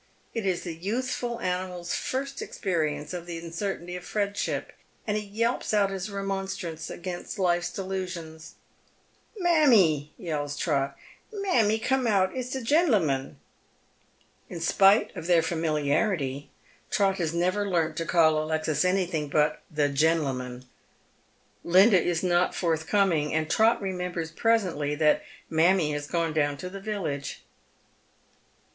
It is the youthful animsl'a fii st experience of the uncertainty of friendship, and he yelpe out his remonstrance against life's delusions. " Mammie !" yells ' Trot, " mammie, come out, it's the genlamum." In spite of their familiarity, Trot has never learnt to call Alexis anything but the " genlamum." Linda is not forthcoming, and Trot remembers presently that mammie has gone down to the village.